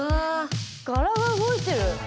柄が動いてる！